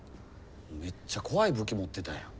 めっちゃ怖い武器持ってたやん。